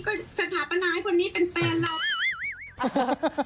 ก็สถาปนาให้คนนี้เป็นแฟนเรา